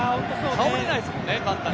倒れないですもんね、簡単に。